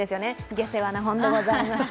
下世話な本でございます。